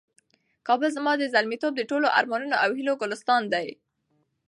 کابل زما د زلمیتوب د ټولو ارمانونو او هیلو ګلستان دی.